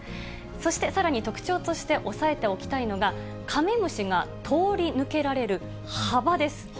そしてさらに特徴として押さえておきたいのが、カメムシが通り抜けられる幅です。